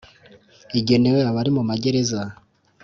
igenewe abari mu magereza